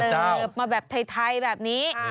เสิร์ฟมาแบบไทยแบบนี้